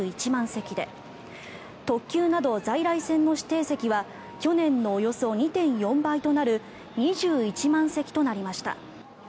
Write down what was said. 席で特急など在来線の指定席は去年のおよそ２．４倍となる２１万席となりました。